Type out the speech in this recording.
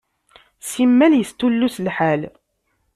Simmal yestullus lḥal.